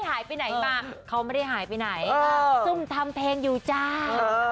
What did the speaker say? หายไปไหนมาเขาไม่ได้หายไปไหนซุ่มทำเพลงอยู่จ้า